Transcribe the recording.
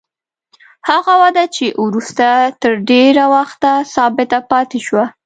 هغه وده چې وروسته تر ډېره وخته ثابته پاتې شوه.